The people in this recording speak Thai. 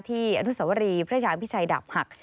อนุสวรีพระยาพิชัยดาบหัก